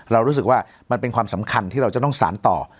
เรารู้สึกว่ามันเป็นความสำคัญที่เราจะต้องสารต่อ